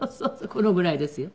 このぐらいですよ。